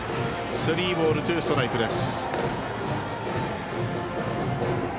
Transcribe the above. スリーボール、ツーストライク。